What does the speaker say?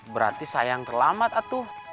berarti sayang terlambat atuh